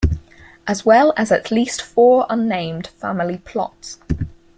As well as at least four unnamed family plots.